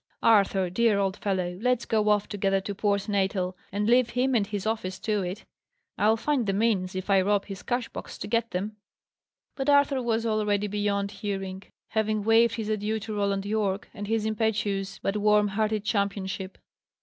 Arthur, dear old fellow, let's go off together to Port Natal, and leave him and his office to it! I'll find the means, if I rob his cash box to get them!" But Arthur was already beyond hearing, having waved his adieu to Roland Yorke and his impetuous but warm hearted championship.